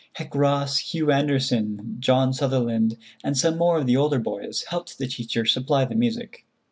Hec. Ross, Hugh Anderson, John Sutherland and some more of the older boys helped the teacher supply the music.